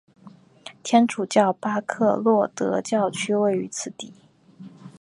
天主教巴科洛德教区位于此地。